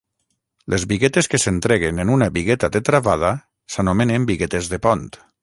Les biguetes que s'entreguen en una bigueta de travada s'anomenen biguetes de pont.